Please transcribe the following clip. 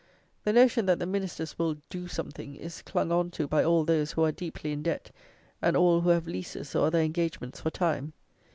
The notion that the Ministers will "do something" is clung on to by all those who are deeply in debt, and all who have leases, or other engagements for time.